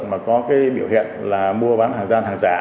mà có cái biểu hiện là mua bán hàng gian hàng giả